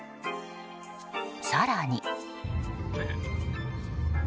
更に。